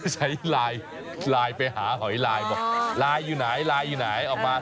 ใช้ลายไปหาหอยลายบอกลายอยู่ไหนลายอยู่ไหนออกมานะ